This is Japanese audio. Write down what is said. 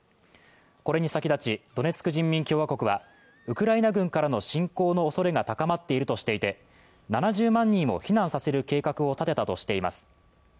これに先立ち、ドネツク人民共和国はウクライナ軍からの侵攻のおそれが高まっているとしていて７０万人を避難させる計画を立てたとしています。